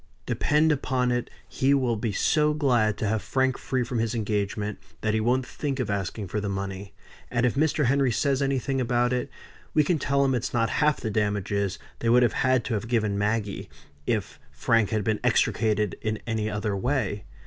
Depend upon it he will be so glad to have Frank free from his engagement, that he won't think of asking for the money. And if Mr. Henry says anything about it, we can tell him it's not half the damages they would have had to have given Maggie, if Frank had been extricated in any other way.